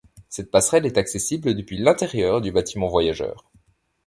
Cette passerelle est accessible depuis l'intérieur du bâtiment voyageurs.